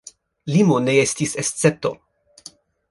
Limo ne estis escepto.